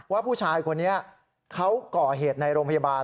ว่าผู้ชายคนนี้เขาก่อเหตุในโรงพยาบาล